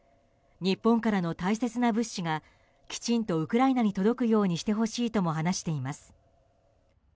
日本からの大切な物資がきちんとウクライナに届くようにしてほしいとも話しています。